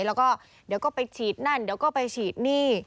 แล้วก็เดี๋ยวก็ไปฉีดนั่นเดี๋ยวก็ไปฉีดหนี้